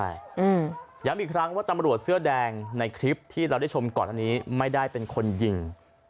ย้ำอีกครั้งว่าตำรวจเสื้อแดงในคลิปที่เราได้ชมก่อนอันนี้ไม่ได้เป็นคนยิง